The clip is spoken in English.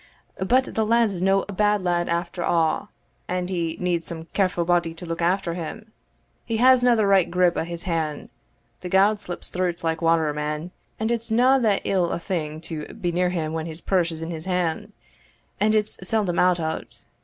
But the lad's no a bad lad after a'; and he needs some carefu' body to look after him. He hasna the right grip o' his hand the gowd slips through't like water, man; and it's no that ill a thing to be near him when his purse is in his hand, and it's seldom out o't.